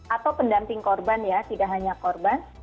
atau pendamping korban ya tidak hanya korban